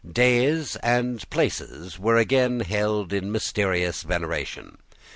Days and places were again held in mysterious veneration.